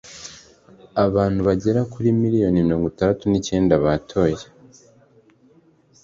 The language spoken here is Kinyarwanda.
abantu bagera kuri miliyoni mirongo itandatu n'icyenda batoye